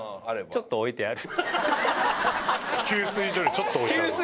「ちょっと置いてある」。